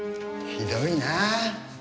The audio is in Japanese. ひどいな。